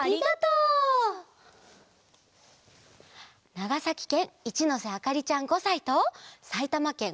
ながさきけんいちのせあかりちゃん５さいとさいたまけん